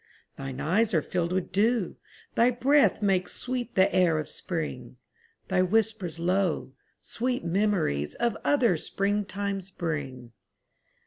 Thine eyes are filled with dew, thy breath Makes sweet the air of spring; Thy whispers low, sweet memories Of other springtimes bring.